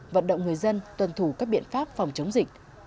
vận động người dân tuân thủ các biện pháp phòng chống dịch